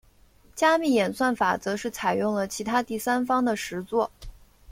加密演算法则是采用了其他第三方的实作。